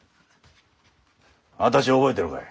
私を覚えてるかい？